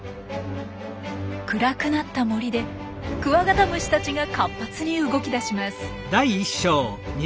暗くなった森でクワガタムシたちが活発に動きだします。